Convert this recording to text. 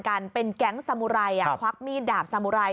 กันเป็นแก๊งสมุไรควักมีดดาบสามุไร